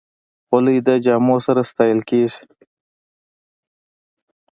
خولۍ د جامو سره ستایل کېږي.